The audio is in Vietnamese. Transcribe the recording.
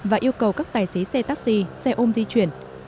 và yêu cầu các tài xế xe taxi xe ôm di chuyển